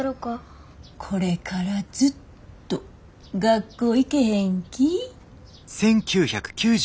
これからずっと学校行けへん気ぃ？